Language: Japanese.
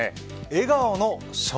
笑顔の笑